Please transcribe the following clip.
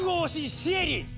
シエリ！